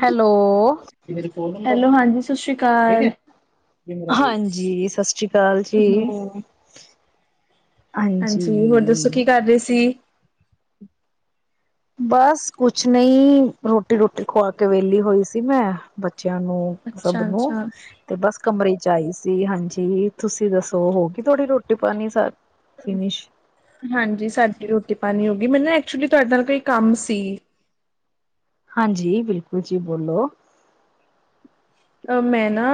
Hello hello ਹਾਂਜੀ ਸਤਿ ਸ੍ਰੀ ਅਕਾਲ ਹਾਂਜੀ ਸਤਿ ਸ੍ਰੀ ਅਕਾਲ ਜੀ ਹੂੰ ਹਾਂਜੀ ਹੋਰ ਦੱਸੋ ਕੀ ਕਰ ਰਹੇ ਸੀ ਬਸ ਕੁਛ ਨਹੀਂ ਰੋਟੀ- ਰੋਟੀ ਖਵਾ ਕੇ ਵਿਹਲੀ ਹੋਈ ਸੀ ਮੈਂ ਬੱਚਿਆਂ ਨੂੰ ਸਭ ਅੱਛਾ ਨੂੰ ਅੱਛਾ ਤੇ ਬਸ ਕਮਰੇ ਚ' ਆਈ ਸੀ। ਹਾਂਜੀ, ਤੁਸੀਂ ਦੱਸੋ। ਹੋਗੀ ਤੁਹਾਡੀ ਰੋਟੀ- ਪਾਣੀ ਸਾਰੀ ਫਨਸ਼। ਹਾਂਜੀ। ਸਾਡੀ ਰੋਟੀ -ਪਾਣੀ ਹੋ ਗਈ ਮੈਨੂੰ ਨਾ ਐਕਚੁਲੀ ਤੁਹਾਡੇ ਨਾਲ ਕੋਈ ਕੰਮ ਸੀ। ਹਾਂਜੀ। ਬਿਲਕੁਲ ਜੀ ਬੋਲੋ। ਅ ਮੈਂ ਨਾ।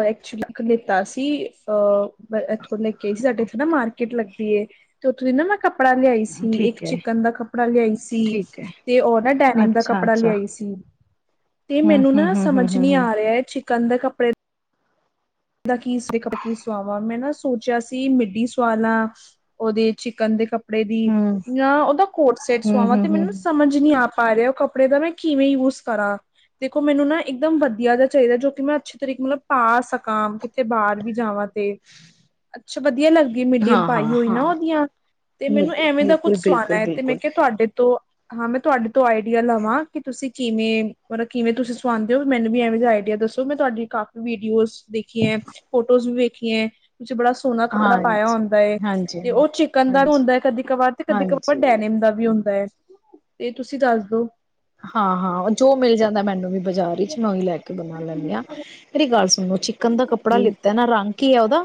ਐਕਚੁਲੀ ਇੱਕ ਨੇਤਾ ਸੀ, ਅ ਕਿਹਾ ਸੀ ਸਾਡੇ ਇੱਥੇ ਨਾ ਮਾਰਕੀਟ ਲੱਗੀ ਏ ਤੇ ਉੱਥੋਂ ਦੀ ਨਾ ਮੈਂ ਕੱਪ- ਕੱਪੜਾ ਲਿਆਈ ਸੀ। ਇੱਕ ਠੀਕ ਹੈ, ਚਿਕਨ ਦਾ ਕੱਪੜਾ ਲਿਆਈ ਸੀ। ਠੀਕ ਹੈ। ਤੇ ਉਹ ਨਾ ਡੈਨਮ ਦਾ ਕੱਪੜਾ ਅੱਛਾ-ਅੱਛਾ, ਲਿਆਈ ਸੀ। ਤੇ ਹੂੰ, ਮੈਨੂੰ ਹੂੰ, ਨਾ ਹੂੰ, ਸਮਝ ਹੂੰ, ਹੂੰ, ਨੀ ਹੂੰ। ਆ ਰਿਹਾ ਚਿਕਨ ਦੇ ਕੱਪੜੇ ਦਾ ਕੀ ਕੀ ਸੁਆਵਾ ਮੈਂ ਨਾ ਸੋਚਿਆ ਸੀ ਮਿੱਡੀ ਸੁਆਲਾਂ। ਉਹਦੇ ਚਿਕਨ ਦੇ ਕੱਪੜ ਕੱਪੜੇ ਦੀ। ਹੂੰ, ਜਾਂ ਉਹਦਾ ਕੋਟ ਸੈਟ ਹੂੰ, ਸੁਆਵਾਂ ਹੂੰ, ਤੇ ਹੂੰ। ਮੈਨੂੰ ਸਮਝ ਨੀ ਆ ਪਾ ਰਿਹਾ ਉਹ ਕੱਪੜ ਕੱਪੜੇ ਦਾ ਮੈਂ ਕਿਵੇਂ ਯੂਸ ਕਰਾਂ। ਦੇਖੋ ਮੈਨੂੰ ਨਾ ਇੱਕਦਮ ਵਧੀਆ ਜਿਹਾ ਚਾਹੀਦਾ ਜੋ ਕਿ ਮੈਂ ਅੱਛੇ ਤਰੀਕੇ ਮਤਲਬ ਪਾ ਸਕ ਹਾਂ ਕਿਥਤੇ ਬਾਹਰ ਵੀ ਜਾਵਾਂ ਤੇ ਅੱਛਾ। ਵਧੀਆ ਲੱਗਦਾ। ਮਿਡੀਮ ਹਾਂ, ਪਾਈ ਹਾਂ, ਹੋਈ ਨਾ ਹਾਂ। ਉਹਦੀਆਂ। ਤੇ ਮੈਨੂੰ ਐਵੇਂ ਦਾ ਬਿਲਕੁਲ, ਕੁੱਛ ਸਵਾਣ ਬਿਲਕੁਲ, ਤੇ ਬਿਲਕੁਲ। ਮੈਂ ਕਿਹਾ, ਤੁਹਾਡੇ ਤੋਂ ਹਾਂ, ਮੈਂ ਤੁਹਾਡੇ ਤੋਂ ਆਈਡੀਆ ਲਵਾਂ। ਕਿ ਤੁਸੀਂ ਕਿਵੇਂ ਮਤਲਬ ਕਿਵੇਂ ਤੁਸੀਂ ਸਂਦੇ ਹੋ। ਮੈਨੂੰ ਵੀ ਇਹਵੇ ਆਈਡੀਆ ਦੱਸੋ। ਮੈਂ ਤੁਹਾਡੀ ਕਾਫੀ ਵੀਡੀਓਜ਼ ਦੇਖੀ ਹੈ, ਫੋਟੋਜ਼ ਵੀ ਵੇਖੀ ਹੈ। ਵਿੱਚ ਬੜਾ ਸੋਹਣਾ ਕੱਪੜਾ ਪਾਇਆ ਹਾਂਜੀ ਹੁੰਦਾ ਏ। ਹਾਂਜੀ ਤੇ ਉਹ ਚਿਕਨ ਦਾ ਵੀ ਹਾਂਜੀ ਹੁੰਦਾ ਹੈ। ਕਦੀ ਕਬਾਰ ਤੇ ਕਦੀ ਕਵਾਰ ਹਾਂਜੀ ਡੈਨਮ ਦਾ ਵੀ ਹੁੰਦਾ ਹੈ। ਤੇ ਤੁਸੀਂ ਦੱਸ ਦੋ। ਹਾਂ -ਹਾਂ ਜੋ ਮਿਲ ਜਾਂਦਾ ਮੈਨੂੰ ਵੀ। ਬਾਜ਼ਾਰ ਵਿੱਚ ਮੈ ਹੀ ਲੈ ਕੇ ਬਣਾ ਲੈਂਦੇ ਹਾਂ। ਮੇਰੀ ਗੱਲ ਸੁਣੋ ਚਿਕਨ ਦਾ ਕੱਪੜਾ ਲਿੱਤਾ ਨਾ ਰੰਗ ਕੀ ਆ ਉਹਦਾ।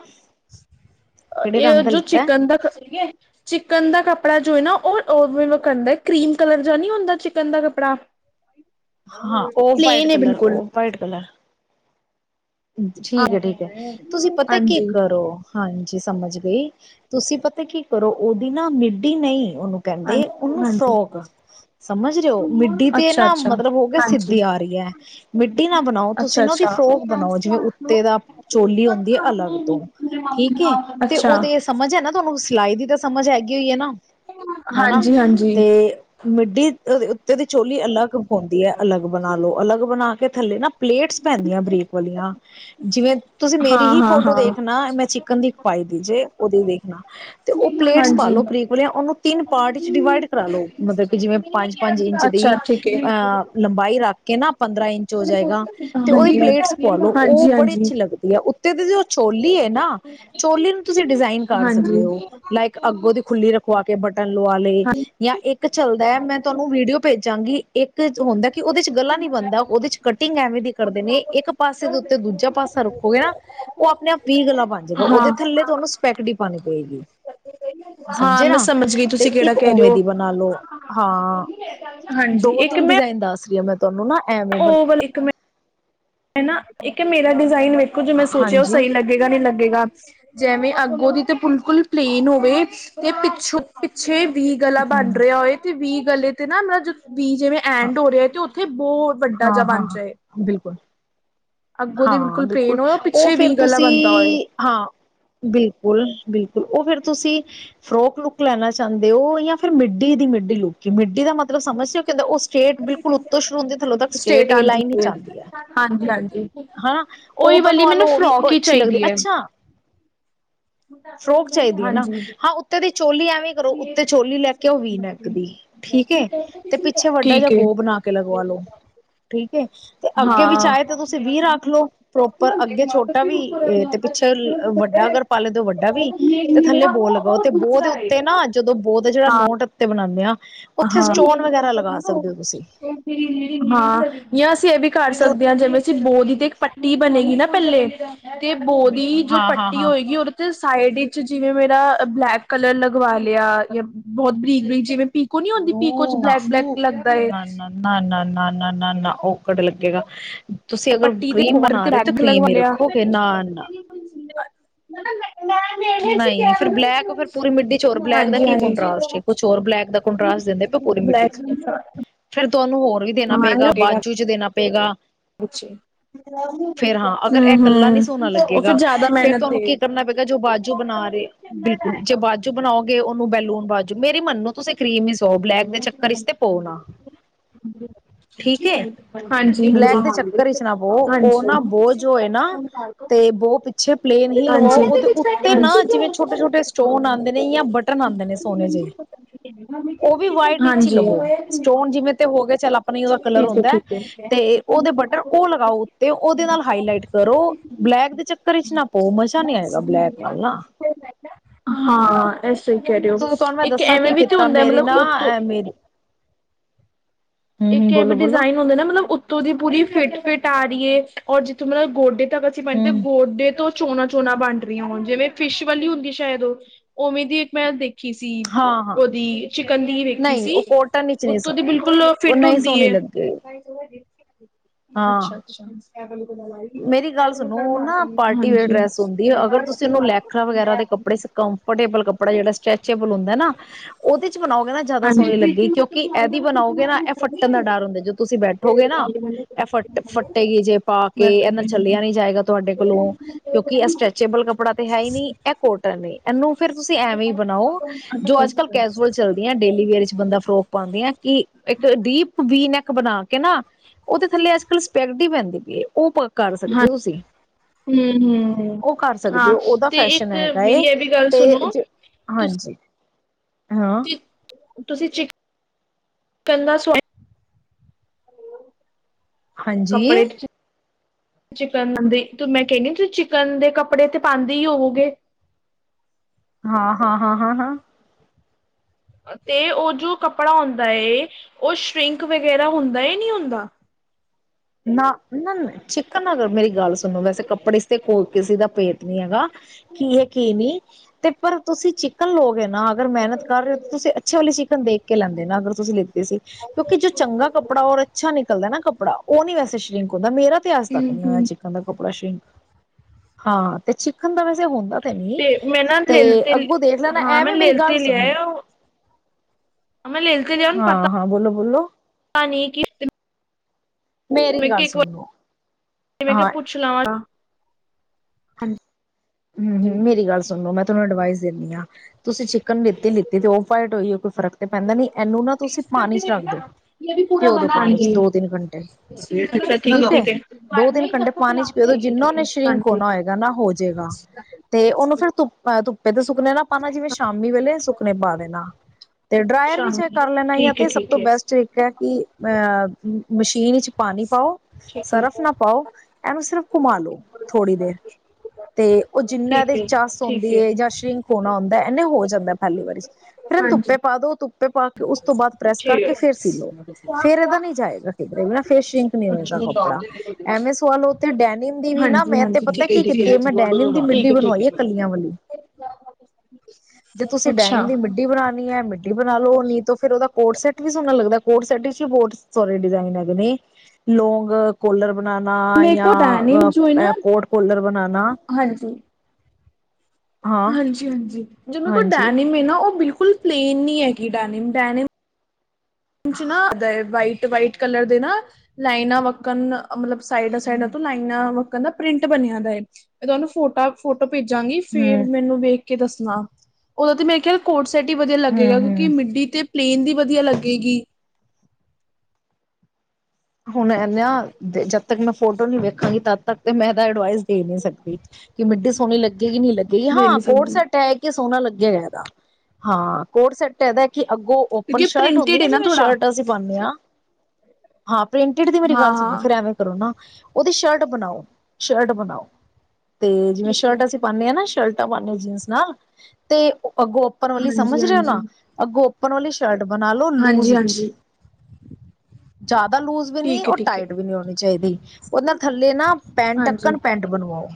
ਕਿਹੜੇ ਇਹ ਰੰਗ ਦਾ ਜੋ ਲਿੱਤਾ ਹੈ? ਚਿਕਨ ਦਾ ਸੀ। ਚਿਕਨ ਦਾ ਕੱਪੜਾ ਜੋ ਹੈ ਨਾ ਉਹਦਾ ਕਰੀਮ ਕਲਰ ਜਾਂ ਨਹੀਂ ਹੁੰਦਾ ਚਿਕਨ ਦਾ ਕੱਪੜਾ। ਹਾਂ ਓਫ ਵਾਈਟ ਪਲੇਨ ਹੈ ਕਲਰ ਬਿਲਕੁਲ। Off white colour. ਠੀਕ ਹੈ, ਠੀਕ ਹੈ। ਤੁਸੀਂ ਪਤਾ ਕੀ ਹਾਂਜੀ ਕਰੋ। ਹਾਂਜੀ ਸਮਝ ਗਈ। ਤੁਸੀਂ ਪਤਾ ਕੀ ਕਰੋ ਉਹਦੀ ਨਾ ਮਿੱਢ ਨਹੀਂ। ਉਹਨੂੰ ਹਾਂ ਕਹਿੰਦੇ ਉਹਨੂੰ ਹਾਂਜੀ ਫਰੋਕ ਸਮਝ ਰਹੇ ਹੋ। ਮਿੱਡੀ ਤੇ ਅੱਛਾ ਨਾ ਅੱਛਾ ਮਤਲਬ ਹੋ ਗਿਆ ਹਾਂਜੀ ਸਿੱਧੀ ਆ ਰਹੀ ਹੈ। ਮਿੱਡੀ ਨਾ ਬਣਾਓ ਤੁਸੀਂ ਅੱਛਾ ਨਾ ਉਹਦੀ ਅੱਛਾ ਫਰੋਕ ਬਣਾਓ ਜਿਵੇਂ ਉੱਤੇ ਦਾ ਚੋਲੀ ਹੁੰਦੀ ਹੈ ਅਲੱਗ ਤੋਂ, ਠੀਕ ਹੈ। ਤੇ ਅੱਛਾ ਉਹਦੇ ਸਮਝ ਹੈ ਨਾ ਤੁਹਾਨੂੰ ਸਿਲਾਈ ਦੀ ਤਾਂ ਸਮਝ ਹੈਗੀ ਹੋਈ ਹੈ ਨਾ। ਹਨਾ ਹਾਂਜੀ ਹਾਂਜੀ ਤੇ ਮਿੱਡੀ ਦੇ ਉੱਤੇ ਦੀ ਚੋਲੀ ਅਲੱਗ ਹੁੰਦੀ ਹੈ ਅਲੱਗ ਬਣਾ ਲਓ। ਅਲੱਗ ਬਣਾ ਕੇ ਥੱਲੇ ਨਾ ਪਲੇਟਸ ਪੈਂਦੀਆਂ ਬਰੀਕ ਵਾਲੀਆਂ। ਜਿਵੇਂ ਤੁਸੀਂ ਹਾਂ ਮੇਰੀ ਹੀ ਹਾਂ ਫੋਟੋ ਹਾਂ ਦੇਖਣਾ ਮੈਂ ਚ' ਦੀਖ ਪਾਈ ਦੀ ਜੇ ਉਹਦੇ ਦੇਖਣਾ। ਤੇ ਉਹ ਪਲੇਟਸ ਪਾ ਹਾਂਜੀ ਲਓ ਬਰੀਕ ਵਾਲਲ ਉਹਨੂੰ ਤਿੰਨ ਪਾਰਟ ਵਿੱਚ ਡਿਵਾਈਡ ਕਰਾ ਲਓ। ਮਤਲਬ ਕਿ ਜਿਵੇਂ ਪੰਜ- ਪੰਜ ਇੰਚ ਅੱਛਾ ਦੀ ਠੀਕ ਏ ਅਹ ਲੰਬਾਈ ਰੱਖ ਕੇ ਨਾ ਪੰਦਰਾਂ ਇੰਚ ਹੋ ਜਾਏਗਾ। ਤੇ ਉਹਦੇ ਹਾਂਜੀ ਪਲੇਟਸ ਪ ਹਾਂਜੀ ਲੋ ਉਹ ਬੜੀ ਹਾਂਜੀ ਅੱਛੀ ਲੱਗਦੀ ਹੈ। ਉੱਤੇ ਦੀ ਜੋ ਚੋਲੀ ਹੈ ਨਾ ਚੋਲੀ ਨੂੰ ਤੁਸੀਂ ਡਿਜ਼ਾਇਨ ਕਰ ਸਕਦੇ ਹੋ। ਹਾਂਜੀ ਲਾਇਕ ਅੱਗੋਂ ਦੀ ਖੁੱਲੀ ਰ ਖਵਾ ਕੇ ਬਟਨ ਲਵਾ ਲਏ। ਜਾਂ ਇੱਕ ਚੱਲਦਾ ਹੈ ਮੈਂ ਤੁਹਾਨੂੰ ਵੀਡੀਓ ਭੇਜਾਂਗੀ। ਇੱਕ ਹੁੰਦਾ ਕਿ ਉਹਦੇ ਚ' ਗਲਾ ਨੀ ਬਣਦਾ ਉਹਦੇ ਚ' ਕਟਿੰਗ ਐਵੇਂ ਦੀ ਕਰਦੇ ਨੇ ਇੱਕ ਪਾਸੇ ਦੇ ਉੱਤੇ ਦੂਜਾ ਪਾਸਾ ਰੱਖੋਗੇ ਨਾ ਉਹ ਆਪਣੇ ਆਪ ਵੀ ਗਲਾ ਬਣ ਜਾਗਾ। ਹਾਂ ਉਹਦੇ ਥੱਲੇ ਉਹਨੂੰ ਸਪੈਕਡੀ ਪਾਉਣੀ ਪਏਗੀ। ਹਾਂ ਸਮਝੇ ਮੈਂ ਨਾ। ਸਮਝ ਗਈ ਤੇ ਤੁਸੀਂ ਕਿਹੜਾ ਇੱਕ ਕਹਿ ਰਹੇ ਉਵੇਂ ਹੋ ਦੀ ਬਣਾ ਲਓ। ਹਾਂ। ਹਾਂਜੀ ਦੋ- ਤਿੰਨ ਡਿਜ਼ਾਇਨ ਦੱਸ ਰਹੀ ਆ ਮੈਂ ਤੁਹਾਨੂੰ ਨਾ। ਐਵੇਂ ਬ ਓਵਲ ਇੱਕ ਮੈਂ ਹਨ ਨਾ। ਇੱਕ ਮੇਰਾ ਡਿਜ਼ਾਇਨ ਵੇਖੋ ਜੋ ਮੈਂ ਸੋਚਿਆ ਉਹ ਹਾਂਜੀ ਸਹੀ ਲੱਗ ਲੱਗੇਗਾ ਨੀ ਲੱਗੇਗਾ। ਜਿਵੇਂ ਅੱਗੋ ਦੀ ਤੇ ਬਿਲਕੁਲ ਪਲੇਨ ਹੋਵੇ ਤੇ ਪਿੱਛੋਂ ਪਿੱਛੇ ਵੀਹ ਗਲਾ ਬਣ ਹਮ ਰਿਹਾ ਹੋਏ ਤੇ ਵੀਹ ਗਲੇ ਤੇ ਨਾ ਮਤਲਬ ਵੀਹ ਜਿਵੇਂ ਐਂਡ ਹੋ ਰਿਹਾ। ਤੇ ਉੱਥੇ ਬੋਰ ਹਾਂ-ਹਾਂ-ਹਾਂ, ਬਿਲਕੁਲ। ਅੱਗੋਂ ਦੀ ਹਾਂ। ਪਲੇਨ ਬਿਲਕੁਲ, ਹੋਏ ਉਹ ਪਿੱਛੇ ਫਿਰ ਵੀ ਗਲਾ ਤੁਸੀਂ ਬਣਦਾ ਹੋਏ ਹਾਂ, ਬਿਲਕੁਲ-ਬਿਲਕੁਲ, ਉਹ ਫਿਰ ਤੁਸੀਂ ਫਰੋਕ ਲੁੱਕ ਲੈਣਾ ਚਾਹੁੰਦੇ ਹੋ ਜਾਂ ਫਿਰ ਮਿੱਡੀ ਦੀ ਮਿੱਡੀ ਲੁੱਕ, ਮਿੱਡੀ ਦਾ ਮਤਲਬ ਸਮਝਦੇ ਕਹਿੰਦਾ ਉਸ ਸਟੇਟ ਬਿਲਕੁਲ ਉੱਤੋ ਸ਼ੁਰੂ ਹੁੰਦੀ ਥੋਂ ਤੱਕ ਸਟੇਟ ਏ ਲਾਈਨ ਚ ਆਂਦੀ ਐ। ਹਾਂਜੀ-ਹਾਂਜੀ, ਉਹੀ ਵਾਲੀ ਬਣਵਾ ਲੋ ਮੈਨੂੰ ਉਹ ਵੀ ਫਰੋਕ ਹੀ ਅੱਛੀ ਲੱਗਦੀ ਚਾਹੀਦੀ ਐ‌। ਅੱਛਾ ਫਰੋਕ ਚਾਹੀਦੀ ਐ ਨਾ, ਹਾਂਜੀ ਹਾਂ ਉੱਤੇ ਦੀ ਚੋਲੀ ਐਵੇਂ ਕਰੋ ਉੱਤੇ ਚੋਲੀ ਲੈ ਕੇ ਉਹ ਵੀ ਨੈਕ ਦੀ ਠੀਕ ਐ ਤੇ ਪਿੱਛੇ ਵੱਡਾ ਜਿਹਾ ਠੀਕ ਹੈ ਬੋ ਬਣਾ ਕੇ ਕੇ ਲਗਵਾ ਲਓ। ਠੀਕ ਏ ਤੇ ਅੱਗੇ ਵੀ ਆਏ ਤਾਂ ਤੁਸੀਂ ਵੀ ਰੱਖ ਲਓ, ਪ੍ਰੋਪਰ ਅੱਗੇ ਛੋਟਾ ਵੀ ਤੇ ਪਿੱਛੇ ਵੱਡਾ ਅਗਰ ਪਾਲ ਤੇ ਵੱਡਾ ਵੀ ਤੇ ਥੱਲੇ ਬੋਹ ਲਗਾਓ ਤੇ ਬੋਹ ਦੇ ਉੱਤੇ ਨਾ ਨਾ ਜਦੋਂ ਬੋਤ ਜਿਹੜਾ ਹਾਂ ਨੋਟ ਉੱਤੇ ਬਣਾਣੇ ਆ, ਉੱਥੇ ਹਾਂ ਸਟੋਨ ਵਗੈਰਾ ਲਗਾ ਸਕਦੇ ਹੋ ਤੁਸੀਂ। ਹਾਂ ਜਾਂ ਅਸੀਂ ਇਹ ਵੀ ਕਰ ਤੇ ਸਕਦੇ ਹਾਂ ਜਿਵੇਂ ਬੋ ਦੀ ਤੇ ਇੱਕ ਪੱਟੀ ਬਣੇਗੀ ਨਾ ਪਹਿਲੇ ਤੇ ਬੋ ਦੀ ਬਿਲਕੁਲ ਜੋ ਹਾਂ ਹਾਂ ਪੱਟੀ ਹਾਂ ਹੋਏਗੀ ਉਹ ਤੇ ਸਾਈਡ ਵਿਚ ਜਿਵੇਂ ਮੇਰਾ ਬਲੈਕ ਕਲਰ ਲਗਵਾ ਲਿਆ ਜਾਂ ਬਹੁਤ ਬਰੀਕ ਬਰੀਕ ਜਿਵੇਂ ਪੀ ਨੀ ਹੁੰਦੀ ਪੀਕੋ ਚ ਬਲੈਕ ਬਲੈਕ ਲੱਗਦਾ ਏ। ਨਾ-ਨਾ-ਨਾ-ਨਾ-ਨਾ-ਨਾ ਅੱਕਵਾਰਡ ਲੱਗੇਗਾ। ਤੁਸੀਂ ਅਗਰ ਪੱਟੀ ਤੇ ਕਰੀਮ ਬੋਰਡਰ ਬਣਾ ਤੇ ਰਹੇ ਹੋ ਤਾਂ ਕਰੀਮ ਹੀ ਰੱਖੋਗੇ ਨਾ-ਨਾ। ਮਤਲਬ ਮੈਂ ਨਹੀਂ ਫਿਰ ਬਲੈਕ ਫਿਰ ਪੂਰੀ ਮਿੱਡੀ ਚ ਹੋਰ ਬਲੈਕ ਦਾ ਕੀ ਹਾਂਜੀ-ਹਾਂਜੀ। ਕੰਟਰਾਸਟ ਹੈ ਕੁਛ ਹੋਰ ਬਲੈਕ [unintelligible] ਫਿਰ ਤੁਹਾਨੂੰ ਹੋਰ ਵੀ ਦੇਣਾ ਪਏਗਾ ਬਾਜੂ ਵਿੱਚ ਵੀ ਦੇਣਾ ਪਏਗਾ। ਬੱਚੇ ਫਿਰ ਹਾਂ ਅਗਰ ਹੂੰ ਇਹ ਹੂੰ ਇਕੱਲਾ ਨਹੀਂ ਸੋਣਾ ਉਹ ਫਿਰ ਲੱਗੇਗਾ ਜ਼ਿਆਦਾ ਫੇਰ ਮਿਹਨਤ ਤੁਹਾਨੂੰ ਤੇ ਕੀ ਕਰਨਾ ਪਏਗਾ ਜੋ ਬਾਜ ਜੋ ਬਣਾ ਰਹੇ ਬਿਲਕੁਲ ਜੇ ਬਾਜੂ ਬਣਾਓਗੇ ਉਹਨੂੰ ਬੈਲੂਨ ਬਾਜੂ, ਮੇਰੀ ਮੰਨੋ ਤੁਸੀਂ ਕਰੀਮ ਹੀ ਸਵਾਓ, ਬਲੈਕ ਦੇ ਚੱਕਰ ਇਸ ਤੇ ਪਉ ਨਾ। ਠੀਕ ਹਾਂਜੀ ਐ, ਹਾਂਜੀ ਹਾਂਜੀ ਹਾਂਜੀ ਬਲੈਕ ਦੇ ਚੱਕਰ ਵਿਚ ਨਾ ਪਓ, ਉਹ ਹਾਂਜੀ ਨਾ ਬੋ ਠੀਕ ਜੋ ਏ ਨਾ ਤੇ ਬੋਹ ਪਿੱਛੇ ਪਲੇਨ ਹੀ ਲਵਾਓ ਉਹਦੇ ਉੱ ਤੇ ਨਾ ਜਿਵੇਂ ਛੋਟੇ-ਛੋਟੇ ਸਟੋਨ ਆਂਦੇ ਨੇ ਜਾਂ ਬਟਨ ਆਂਦੇ ਨੇ ਸੋਨੇ ਜਿਹੇ। ਉਹ ਵੀ ਵਾਈਟ ਵਿੱਚ ਹੀ ਲਵੋ, ਸਟੋਨ ਜਿਵੇਂ ਤੇ ਹੋ ਗਿਆ ਚੱਲ ਆਪਣਾ ਹੀ ਉਹਦਾ ਕਲਰ ਹੈ ਹੁੰਦਾ। ਠੀਕ ਹੈ ਤੇ ਉਹਦੇ ਬਟਨ, ਉਹ ਲਗਾਓ ਉੱਤੇ, ਉਹਦੇ ਨਾਲ ਹਾਈਲਾਈਟ ਕਰੋ। ਬਲੈਕ ਦੇ ਚੱਕਰ ਵਿਚ ਨਾ ਪਓ, ਮਜ਼ਾ ਨਹੀਂ ਆਏਗਾ ਬਲੈਕ ਵੱਲਾ। ਹਾਂ, ਇਸ ਸਹੀ ਕਹਿ ਰਹੇ ਹੋ, ਤੁਹਾਨੂੰ ਮੈਂ ਇੱਕ ਦੱਸਾਂ ਐਵੇਂ ਕੀ ਵੀ ਤੇ ਕੀਤਾ ਹੁੰਦਾ ਮੇਰੀ ਮਤਲਬ ਨਾ ਉਤੋਂ ਮੇਰੀ ਹੂੰ ਇੱਕ ਹੂੰ ਇਹ ਵੀ ਬੋਲੋ ਬੋਲੋ ਡਿਜ਼ਾਇਨ ਹੁੰਦਾ ਨਾ ਮਤਲਬ ਉੱਤੋਂ ਦੀ ਪੂਰੀ ਫਿਟ ਫਿਟ ਆ ਰਹੀ ਏ, ਔਰ ਜਿੱਥੋਂ ਮਤਲਬ ਗੋਡੇ ਤੱਕ ਅਸੀਂ ਪੈਂਦੇ ਹੂੰ ਗੋਡੇ ਤੋਂ ਚੋਨਾ-ਚੋਨਾ ਬਣਡ ਰਹੀਆਂ ਹੋਣ ਜਿਵੇਂ ਫਿਸ਼ ਵਾਲੀ ਹੁੰਦੀ ਸ਼ਾਇਦ ਉਹ ਉਵੇਂ ਦੀ ਇੱਕ ਮੈਂ ਦੇਖ ਵੇਖੀ ਸੀ। ਹਾਂ ਹਾਂ ਉਹਦੀ ਚਿਕਨ ਦੀ ਵੇਖੀ ਨਹੀਂ ਸੀ, ਉਹ ਕੋਟਨ ਵਿੱਚ ਨਹੀਂ ਉੱਤੋਂ ਸੋ ਦੀ ਬਿਲਕੁਲ ਉਹ ਫਿਟ ਨਹੀਂ ਹੁੰਦੀ ਸੋਹਣੀ ਏ, ਲੱਗੇ ਹਾਂ ਅੱਛਾ। ਮੇਰੀ ਗੱਲ ਸੁਣੋ ਉਹ ਨਾ ਪਾਰਟੀ ਵੇਅਰ ਡਰੈਸ ਹੁੰਦੀ ਹੈ ਅਗਰ ਤੁਸੀਂ ਉਹਨੂੰ ਲੈਕਰਾ ਵਗੈਰਾ ਦੇ ਹਾਂਜੀ। ਕੱਪੜੇ ਕੰਫਰਟੇਬਲ ਕੱਪੜਾ, ਜਿਹੜਾ ਸਟਰੈਚੇਬਲ ਹੁੰਦਾ ਨਾ। ਉਹਦੇ ਚ ਬਣਾਓਗੇ ਨਾ ਜ਼ਿਆਦਾ ਸੋਹਣੀ ਲੱਗੀ ਕਿਉਂਕਿ ਇਹਦੀ ਬਣਾਓਗੇ ਨਾ ਇਹ ਫੱਟਣ ਦਾ ਡਰ ਹੁੰਦਾ, ਜੋ ਤੁਸੀਂ ਬੈਠੋਗੇ ਨਾ ਐ ਫੱਟ ਫੱਟੇ ਗੀ ਜੇ ਪਾਕ ਹਾਂਜੀ ਕੇ ਇਹਨਾ ਬੈਠੋ ਚੱਲਿਆ ਨੀ ਜਾਏਗਾ ਤੁਹਾਡੇ ਕੋਲੋਂ ਕਿਉਂਕਿ ਇਹ ਸਟ੍ਰੈਚੇਬਲ ਕੱਪੜਾ ਹੈ ਹੀ ਨਹੀਂ ਇਹ ਕੋਟਨ ਏ, ਇਹਨੂੰ ਫਿਰ ਤੁਸੀਂ ਐਵੇਂ ਹੀ ਬਣਾਓ, ਜੋ ਅੱਛਾ ਅੱਜ ਕੱਲ ਅੱਛਾ ਕੈਜਅਲ ਚਲਦੀਆਂ ਡੇਲੀ ਵੇਅਰ ਚ ਬੰਦਾ ਫਰੋਕ ਪਾਉਂਦੀਆਂ ਕਿ ਇੱਕ ਡੀਪ ਵੀਨੈਕ ਬਣਾ ਕੇ। ਨਾ ਉਹਦੇ ਥੱਲੇ ਅੱਜ ਕੱਲ੍ਹ ਸਪੈਕਡੀ ਪੈਂਦੀ ਪਈ, ਉਹ ਕਰ ਹਾਂ ਸਕਦੇ ਤੁਸੀਂ। ਹੂੰ ਹੂੰ ਉਹ ਕਰ ਸਕਦੇ ਹਾਂ ਹੋ ਉਹਦਾ ਤੇ ਫੈਸ਼ਨ ਇੱਕ ਹੈਗਾ ਮੇਰੀ ਏ ਇਹ ਵੀ ਗੱਲ ਤੇ ਸੁਣੋ ਜ ਹਾਂਜੀ ਹਾਂ। ਤੁਸੀਂ ਤੁਸੀਂ ਚਿਕਨ, ਦਾ ਸਵਾਇਆ। ਹਾਂਜੀ ਕੱਪੜੇ ਵਿੱਚ ਚਿਕਨ ਦੀ ਤੂੰ ਮੈਂ ਕਹਿੰਦੀ ਤੁਂ ਚਿਕਨ ਦੇ ਕੱਪੜੇ ਤੇ ਪਾਉਂਦੇ ਹੀ ਹੋਵੋਗੇ। ਹਾਂ ਹਾਂ ਹਾਂ ਹਾਂ ਹਾਂ। ਤੇ ਉਹ ਜੋ ਕੱਪੜਾ ਹੁਦਾ ਹੈ, ਉਹ ਸ਼ਿੰਕ ਵਗੈਰਾ ਹੁੰਦਾ ਨਹੀਂ ਹੁੰਦਾ। ਨਾ ਨਾ ਨਾ ਚਿਕਨ ਦਾ ਹੈਗਾ। ਮੇਰੀ ਗੱਲ ਸੁਣੋ, ਵੈਸੇ ਕੱਪੜੇ ਇਸਤੇ ਕੋਈ ਕਿਸੇ ਦਾ ਭੇਤ ਨੀ ਹੈਗਾ। ਕੀ ਹੈ ਕੀ ਨਹੀਂ, ਤੇ ਪਰ ਤੁਸੀਂ ਚਿਕਨ ਚਿਕਨ ਲੋਗੇ ਹੈ ਨਾ, ਅਗਰ ਮਿਹਨਤ ਕਰ ਰਹੇ ਹੋ, ਤੁਸੀਂ ਅੱਛੀ ਵਾਲੀ ਚਿਕਨ ਦੇਖ ਕੇ ਲੈਂਦੇ ਨਾ ਅਗਰ ਤੁਸੀਂ ਲੈਦੇ ਸੀ, ਕਿਉਂਕਿ ਜੋ ਚੰਗਾ ਕੱਪੜਾ ਔਰ ਅੱਛਾ ਨਿਕਲਦਾ ਨਾ ਕੱਪੜਾ ਉਹ ਨੀ ਵੈਸੇ ਸ਼ਰਿੰਕ ਹੁੰਦਾ, ਮੇਰਾ ਤੇ ਅੱਜ ਹੂੰ ਤੱਕ ਨਹੀਂ ਹੋਇਆ ਹੂੰ ਚਿਕਨ ਦਾ ਕੱਪੜਾ ਸ਼ਰਿੰਕ ਹਾਂ। ਤੇ ਚਿੱਖਣ ਤਾਂ ਵੈਸੇ ਹੁੰਦਾ ਤੇ ਨੀ, ਮੈਂ ਨਾ ਲਿਲ ਤੇ ਅੱਗੋਂ ਦੇਖ ਲੈਂਣਾ ਹਾਂ ਮੈਂ ਐਵੇਂ ਮੇਰੀ ਲਿਲ ਗੱਲ ਤੇ ਸੁਣੋ। ਅਮੇ ਲੇਲ [inaudible] ਹਾਂ ਹਾਂ, ਬੋਲੋ ਬੋਲੋ। ਪਾਨੀ ਏ ਕੀ ਮੇਰੀ ਗੱਲ ਸੁਣੋ। ਮੈਂ ਕਿਹਾ ਹਾਂ ਪੁੱਛ ਲਵਾਂ, ਹਾਂਜੀ। ਹੂੰ ਹੂੰ, ਮੇਰੀ ਗੱਲ ਸੁਣੋ, ਮੈਂ ਤਨੂ ਅਡਵਾਈਸ ਦਿੰਣੀ ਆਂ, ਤੁਸੀਂ ਚਿਕਨ ਲਿਤੀ ਲਿੱਤੀ, ਤੇ ਔਫਵਾਈਟ ਹੋਈ, ਔ ਕੋਈ ਫਰਕ ਤੇ ਪੈਂਦਾ ਨੀ। ਐਨੂੰ ਨਾ ਤੁਸੀਂ ਪਾਣੀ ਚ ਰੱਖ ਦੋ, ਪਿਔ ਦੋ ਪਾਣੀ ਚ ਦੋ-ਤਿੰਨ ਘੰਟੇ। ਅੱਛਾ ਠੀਕ ਹੈ, ਠੀਕ ਹੈ ਦੋ-ਤਿੰਨ ਘੰਟੇ ਪਾਣੀ ਚ ਪਿਔ ਦੋ ਠੀਕ ਜਿੰਨਾ ਹੈ ਔਨੇ ਸ਼ਰੀੰਕ ਠੀਕ ਹੋਣਾ, ਹੈ ਹਾਂਜੀ ਹੋਏ ਗਾ ਨਾ, ਹੋ ਜੇਗਾ। ਤੇ ਔਨੂੰ ਫੇਰ ਤੁਪ, ਧੁੱਪੇ ਤੇ ਸੁੱਕਨੇ ਨਾ ਪਾਣਾ ਜਿਵੇਂ ਸ਼ਾਮੀ ਵੇਲੇ, ਸੁੱਕਨੇ ਪਾ ਦੇਣਾ। ਤੇ ਡਰਾਯਰ ਵੀ ਸ਼ਾਮ ਚਾਏ ਨੂੰ ਕਰ ਲੈਣਾ, ਯਾ ਠੀਕ ਹੈ ਤੇ ਸਭ ਠੀਕ ਤੋਂ ਹੈ ਬੈਸਟ ਤਰੀਕੈ ਕਿ ਅ ਮ ਮਸ਼ੀਨ ਇਚ ਪਾਣੀ ਪਾਓ। ਠੀਕ ਹੈ ਸਰਫ ਨਾ ਪਾਓ, ਐਨੂੰ ਸਿਰਫ਼ ਘੁਮਾ ਲੋ, ਥੋੜ੍ਹੀ ਦੇਰ। ਤੇ ਔ ਜਿੰਨਾਂ ਐਦੇ ਠੀਕ ਚ ਹੈ ਚੱਸ ਠੀਕ ਹੋੰਦੀ ਹੈ ਏ ਯਾ ਸ਼੍ਰਿੰਕ ਹੋਣਾ ਹੁੰਦੈ, ਐਨੇ ਹੋ ਜਾਂਦੈ ਪੈਲੀ ਵਾਰੀ ਚ, ਫੇਰ ਐਨ ਧੁੱਪੇ ਪਾ ਦੋ ਧੁੱਪੇ ਪਾ ਕੇ ਉਸ ਤੋਂ ਬਾਦ ਪ੍ਰੈਸ ਕਰਕੇ, ਫੇਰ ਠੀਕ ਸੀਲੋ, ਫੇਰ ਏਦਾ ਨਹੀਂ ਜਾਏਗਾ ਕਿਧਰੇ ਬੀ ਫੇਰ ਸ਼ਰਿੰਕ ਨੀ ਹੋਏਗਾ ਕੱਪੜਾ, ਐਵੇਂ ਸਵਾਲੋ ਤੇ ਡੈਨਿਮ ਦੀ ਵੀ ਨਾ, ਹਾਂਜੀ ਮੈਂ ਤੇ ਹਾਂਜੀ ਪਤੈ ਠੀਕ ਹੈ ਕੀ ਠੀਕ ਕੀਤੀ ਹੈ ਏ ਮੈਂ ਡੈਨਿਮ ਦੀ ਠੀਕ ਮਿੱਡੀ ਹੈ ਠੀਕ ਬਣਵਾਈ ਹੈ ਐ, ਕੱਲੀਆਂ ਵਾਲੀ। ਜੇ ਤੁਸੀਂ ਡੈਨਿਮ ਅੱਛਾ ਦੀ ਮਿੱਡੀ ਬਣਾਣੀ ਐ, ਮਿੱਡ ਬਣਾ ਲੋ, ਨੀ ਤੇ ਫਿਰ ਔਦਾ ਕੋਡ ਸੈਟ ਵੀ ਸੋਨਾ ਲੱਗਦਾ, ਕੋਡ ਸੈੱਟ ਇਚ ਵੀ ਬੌਟ ਸੋਰੇ ਡਿਜ਼ਾਇਨ ਹੈਗੇ ਨੇ। ਲੌਗ ਕੋਲਰ ਬਨਾਣਾ, ਮੇਰੇ ਯਾ ਕੋਲ ਡੈਨਿਮ ਅ ਜੋ ਹੈ ਨਾ ਐ ਕੋਟ ਕੋਲਰ ਬਨਾਣਾ। ਹਾਂਜੀ। ਹਾਂ ਹਾਂਜੀ ਹਾਂਜੀ, ਜੋ ਮੇਰੇ ਕੋਲ ਹਾਂਜੀ ਡੈਨਿਮ ਏ ਨਾ, ਔ ਬਿਲਕੁਲ ਪਲੇਨ ਨੀ ਹੈਗੀ ਡੈਨਿਮ। ਡੈਨਿਮ ਕੁਛ ਨਾ ਦਏ ਵਾਈਟ ਵਾਈਟ ਕਲਰ ਦੇ ਨਾ ਲਾਈਨਾਂ ਵੱਕਣ, ਮਤਲਬ ਸਾਈਡਾਂ ਹੂੰ ਸਾਈਡਾਂ ਤੋਂ ਲਾਈ ਨਾ ਵਕਣ ਦਾ ਪ੍ਰਿੰਟ ਬਣਿਆ ਦਾ ਏ, ਮੈ ਤੁਹਾਨੂੰ ਫੋਟਾ ਫੋਟੋ ਭੇਜਾਂਗੀ, ਫੇਰ ਹੂੰ ਮੈਨੂੰ ਵੇਖ ਕਿ ਦੱਸਣਾ, ਔਦਾ ਤੇ ਮੇਰਾ ਖਿਆਲ ਕੋਡ ਸੈਟ ਹੀ ਵਧੀਆ ਲੱਗੇਗਾ, ਕਿਉਂਕਿ ਹੂੰ ਮਿੱਡੀ ਤੇ ਪਲੇਨ ਦੀ ਵਧੀਆ ਲੱ ਲਗੇਗੀ। ਹੁਣ, ਐਨ ਆ ਜਦ ਤੱਕ ਮੈਂ ਫੋਟੋ ਨੀ ਵੇਖਾਂਗੀ, ਤਦ ਤੱਕ ਤੇ ਮੈਂ ਐਦਾ ਐਡਵਾਈਸ ਦੇ ਨੀ ਸਕਦੀ, ਕਿ ਮਿੱਡੀ ਸੋਣੀ ਲੱਗੇਗੀ ਨੀ ਲੱਗੇਗੀ, ਦੇ ਹਾਂ, ਨੀ ਕੋਰਡ ਸਕਦੀ ਸੈਟ ਐ ਕੇ ਸੋਣਾ ਲੱਗੇਗਾ ਐਦਾ, ਹਾਂ, ਕੋਡ ਸੈੱਟ ਤੇ ਐਦਾ ਕਿ ਅੱਗੋਂ ਔਪਨ ਕਿਉਂਕਿ ਸ਼ਰਟ ਹੁੰਦੀ ਏ ਪ੍ਰਿੰਟਡ ਨਾ, ਜਿਵੇਂ ਥੋੜਾ ਸ਼ਰਟ ਅਸੀਂ ਪਾਣੇ ਆਂ। ਹਾਂ, ਪ੍ਰਿੰਟਿਡ ਦੀ ਮੇਰੀ ਹਾਂ ਗੱਲ ਸੁਣੋ ਹਾਂ। ਫਿਰ ਐਵੇਂ ਕਰੋ ਨਾ, ਔਦੀ ਸ਼ਰਟ ਬਣਾਓ ਸ਼ਰਟ ਬਣਾਓ। ਤੇ ਜਿਵੇਂ ਠੀਕ ਏ। ਸ਼ਰਟ ਅਸੀਂ ਪਾਣੇ ਆਂ ਨਾ, ਸ਼ਰਟਾਂ ਪਾਣੇ ਆਂ ਜੀਨਸ ਨਾਲ ਤੇ ਅੱਗੋਂ ਔ ਔਪਣ ਵਾਲੀ ਹਾਂਜੀ ਸਮਝ ਰੇ ਹੋ ਹਾਂਜੀ ਨਾ, ਅੱਗੋਂ ਔਪਣ ਵਾਲੀ ਸ਼ਰਟ ਬਣਾ ਲੋ ਲੂਜ ਹਾਂਜੀ ਇਚ। ਹਾਂਜੀ ਜੈਦਾ ਲੂਜ ਵੀ ਨੀ, ਠੀਕ ਏ ਔਰ ਠੀਕ ਏ ਟਾਈਟ ਵੀ ਨੀ ਹੋਣੀ ਚਾਈਦੀ, ਔਦੇ ਨਾਲ ਥੱਲੇ ਨਾ ਪੈਂਟ ਅਕਣ ਹਾਂਜੀ। ਪੈਂਟ ਤੇ ਬਣਵਾਓ,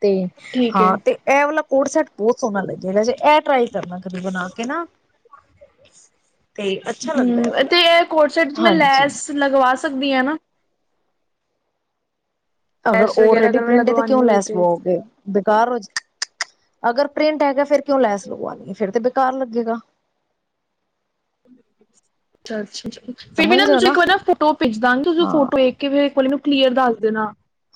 ਤੇ ਠੀਕ ਏ ਹਾਂ ਤੇ ਐ ਵਾਲਾ ਕੋਡ ਸੈਟ ਬੌਤ ਸੋਣਾ ਲੱਗੇਗਾ, ਜੇ ਐ ਟਰਾਈ ਕਰਨਾ ਕਦੇ ਬਣਾ ਕੇ ਨਾ। ਤੇ ਅੱਛਾ ਲੱਗਦੈ ਔ ਵਾਲਾ। ਕੋਡ ਸੈਟ ਚ ਮੈਂ ਹਾਂਜੀ ਲੈਸ ਲਗਵਾ ਸਕਦੀ ਆਂ ਨਾ? ਅਗਰ ਟੈਸਟ ਵਗੈਰਾ ਔਲਰੇਡੀ ਅਗਰ ਮੈਂ ਪ੍ਰਿੰਟ ਏ ਤੇ ਕਿਉਂ ਲਗਵਾਨੀ ਹੋਏ ਲੈਸ ਤੇ ਲਵਾਓਗੇ? ਬੇਕਾਰ ਹੋਜੇ ਅਗਰ ਪ੍ਰਿੰਟ ਹੈਗਾ ਫੇਰ ਕਿਉਂ ਲੈਸ ਲਗਵਾਨੀ ਏ ਫੇਰ ਤੇ ਬੇਕਾਰ ਲੱਗੇਗਾ। ਚਰਚ ਚ ਕੀ ਫੇਰ ਵੀ ਸਮਝ ਨਾ ਰਹੇ ਹੋ ਤੁਸੀ ਇੱਕ ਵਾਰੀ ਨਾ ਫੋਟੋ ਭੇਜ ਦਾਂਗੇ, ਤੁਸੀ ਹਾਂ ਫੋਟੋ ਵੇਖ ਕੇ ਫੇ ਇੱਕ ਵਾਰੀ ਨੂੰ ਕਲੀਅਰ ਦੱਸ ਦੇਣਾ।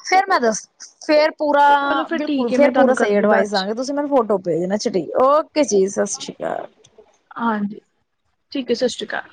ਫੇਰ ਮੈਂ ਦੱਸ ਫੇਰ ਪੂਰਾ ਚਲੋ ਫਿਰ ਬਿਲਕੁਲ ਠੀਕ ਹੈ ਫੇਰ ਮੈਂ ਪੂਰਾ ਤੁਹਾਨੂੰ ਸਹੀ ਕਰਦੀ ਬਾਅਦ ਐਡਵਾਈਸ ਚ ਦਾਗੀ, ਤੁਸੀਂ ਮੈਨੂੰ ਫੋਟੋ ਭੇਜਣਾ। ਅੱਛਾ ਠੀਕ ਓਕੇ ਜੀ, ਸਤ ਸ਼੍ਰੀ ਕਾਲ। ਹਾਂਜੀ ਠੀਕ ਏ, ਸਤ ਸ਼੍ਰੀ ਕਾਲ।